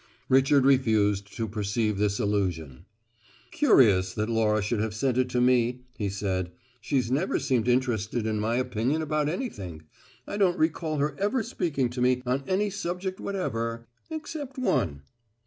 Richard refused to perceive this allusion. "Curious that Laura should have sent it to me," he said. "She's never seemed interested in my opinion about anything. I don't recall her ever speaking to me on any subject whatever except one."